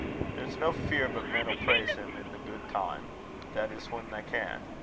There's no fear but men 'll praise him, a' in guid time that is, whan they can.